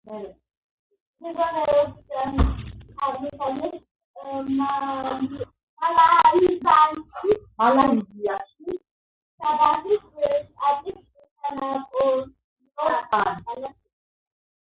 მდებარეობს აღმოსავლეთ მალაიზიაში, საბაჰის შტატის სანაპიროსთან.